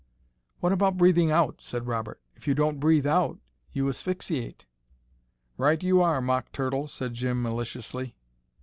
"What about breathing out?" said Robert. "If you don't breathe out, you asphyxiate." "Right you are, Mock Turtle " said Jim maliciously.